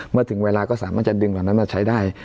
เมื่อถึงเวลาก็สามารถจะดึงเหรอแล้วมาใช้ได้